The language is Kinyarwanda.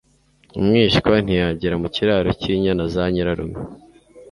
Umwishywa ntiyagera mu kiraro cy’inyana za Nyirarume,